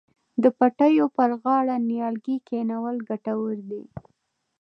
د پټیو پر غاړه نیالګي کینول ګټور دي.